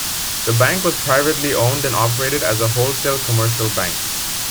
The bank was privately owned and operated as a wholesale commercial bank.